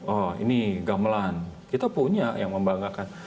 oh ini gamelan kita punya yang membanggakan